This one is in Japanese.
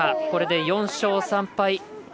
これで４勝３敗。